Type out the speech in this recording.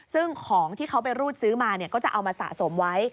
ซึ่งของที่เขาไปรูดซื้อมาก็จะเอามาสะสมไว้